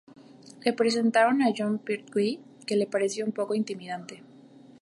Le presentaron a Jon Pertwee, que le pareció un poco intimidante.